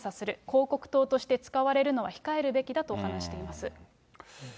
広告塔として使われるのは控えるべきだと話しています。